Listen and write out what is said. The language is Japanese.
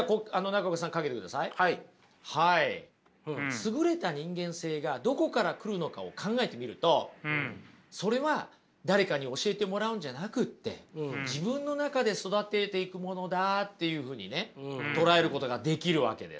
優れた人間性がどこから来るのかを考えてみるとそれは誰かに教えてもらうんじゃなくって自分の中で育てていくものだっていうふうにね捉えることができるわけです。